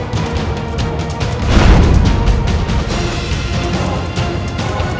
kau mau kemana